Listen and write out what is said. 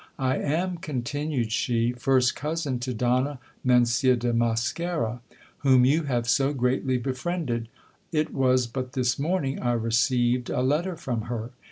I am, continued she, first cousin to Donna Mencia de Mosquera, whom you have so greatly befriended. I I was but this morning 1 received a letter from her.